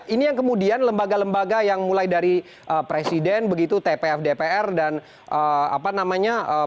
ini yang kemudian lembaga lembaga yang mulai dari presiden begitu tpf dpr dan apa namanya